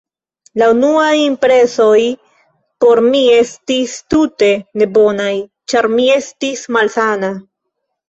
La unuaj impresoj por mi estis tute ne bonaj, ĉar mi estis malsana.